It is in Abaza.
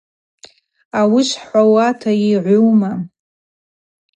Ауи швхӏвата йыгӏуума.